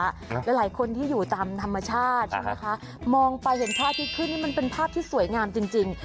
หรือหลายคนที่อยู่ตามธรรมชาติมองไปเห็นพระอาทิตย์ขึ้นนี่มันเป็นภาพที่สวยงามจริง